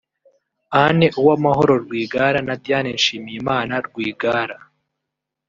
Anne Uwamahoro Rwigara na Diane Nshimiyimana Rwigara